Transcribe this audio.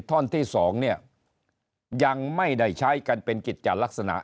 ท่อนที่๒ยังไม่ได้ใช้การเป็นกิจจารย์ลักษณะ